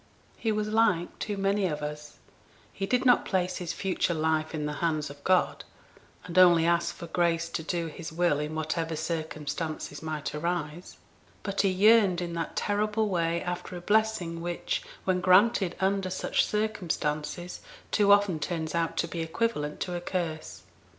He was like too many of us, he did not place his future life in the hands of God, and only ask for grace to do His will in whatever circumstances might arise; but he yearned in that terrible way after a blessing which, when granted under such circumstances, too often turns out to be equivalent to a curse.